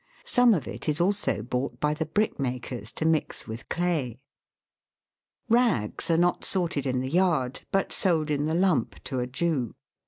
Some of it is also bought by the brickmakers to mix with clay. Rags are not sorted in the yard, but sold in the lump to a Jew.